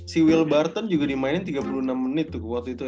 si will burton juga dimainin tiga puluh enam menit tuh waktu itu